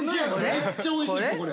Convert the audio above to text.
めっちゃおいしいです、これ。